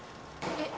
えっ。